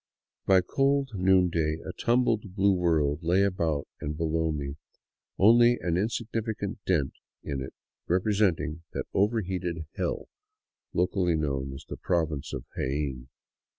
By cold noonday a tumbled, blue world lay about and below me, only an insignificant dent in it representing that overheated hell locally known as the Province of Jaen.